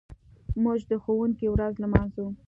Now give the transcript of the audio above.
موږ د ښوونکي ورځ لمانځو.